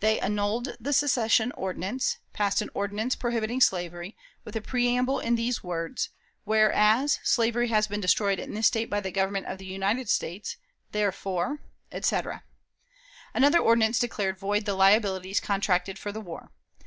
They "annulled" the secession ordinance, passed an ordinance prohibiting slavery, with a preamble in these words: "Whereas, slavery has been destroyed in this State by the Government of the United States; therefore," etc. Another ordinance declared void the liabilities contracted for the war.